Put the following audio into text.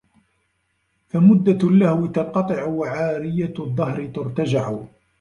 فَمُدَّةُ اللَّهْوِ تَنْقَطِعُ وَعَارِيَّةُ الدَّهْرِ تُرْتَجَعُ